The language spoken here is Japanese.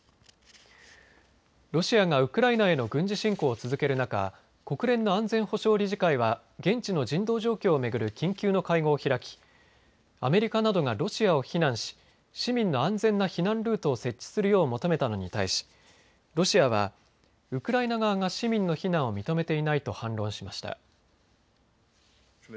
ロシアがウクライナへの軍事侵攻を続ける中、国連の安全保障理事会は現地の人道状況を巡る緊急の会合を開き、アメリカなどがロシアを非難し市民の安全な避難ルートを設置するよう求めたのに対し、ロシアはウクライナ側が市民の避難を認めていないと反論しました。